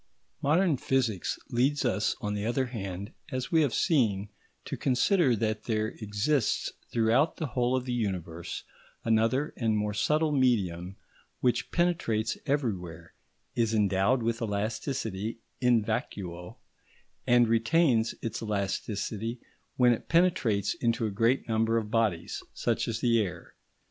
Modern physics leads us on the other hand, as we have seen, to consider that there exists throughout the whole of the universe another and more subtle medium which penetrates everywhere, is endowed with elasticity in vacuo, and retains its elasticity when it penetrates into a great number of bodies, such as the air.